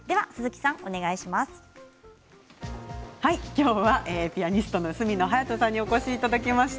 今日はピアニストの角野隼斗さんにお越しいただきました。